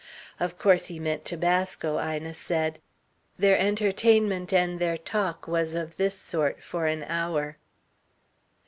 Of course he meant tobasco, Ina said. Their entertainment and their talk was of this sort, for an hour.